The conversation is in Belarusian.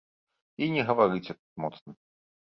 І не гаварыце тут моцна.